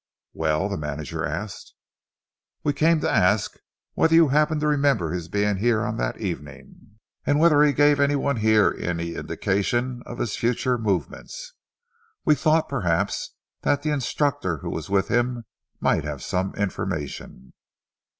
"Well?" the manager asked. "We came to ask whether you happen to remember his being here on that evening, and whether he gave any one here any indication of his future movements. We thought, perhaps, that the instructor who was with him might have some information."